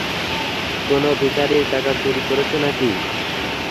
কোনো ভিখারির টাকা চুরি করেছো, নাকি?